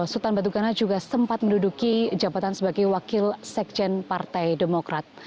sultan batu gana juga sempat menduduki jabatan sebagai wakil sekjen partai demokrat